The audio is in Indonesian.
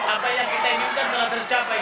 apa yang kita inginkan telah tercapai